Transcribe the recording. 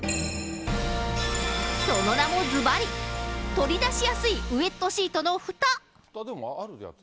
その名もずばり、取り出しやすいウエットシートのフタ。